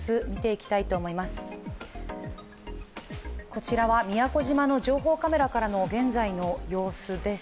こちらは宮古島の情報カメラからの現在の様子です。